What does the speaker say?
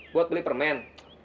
buat beli permen